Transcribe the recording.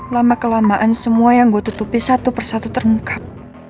lama kelamaan semua yang gue tutupi satu persatu terungkap